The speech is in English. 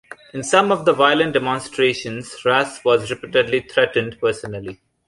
In some of the violent demonstrations Ras was repeatedly threatened personally.